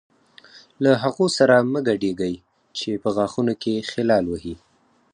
له هغو سره مه ګډېږئ چې په غاښونو کې خلال وهي.